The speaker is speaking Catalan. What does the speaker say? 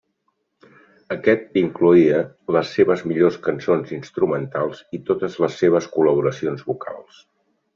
Aquest incloïa les seves millors cançons instrumentals i totes les seves col·laboracions vocals.